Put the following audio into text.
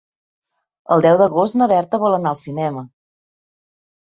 El deu d'agost na Berta vol anar al cinema.